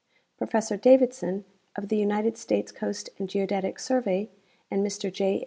Professor Davidson, of the United States Coast and Geodetic Survey, and Mr J.